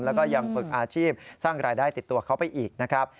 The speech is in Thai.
แล้วก็ยังฝึกอาชีพสร้างรายได้ติดตัวเขาไปอีกนะครับ